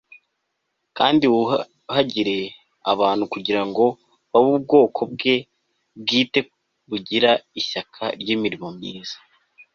kandi wuhagiriye abantu kugira ngo babe ubwoko bwe bwite bugira ishyaka ry'imirimo myiza